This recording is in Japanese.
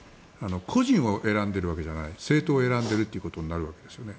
個人を選んでいるわけじゃない政党を選んでいるということになるわけですよね。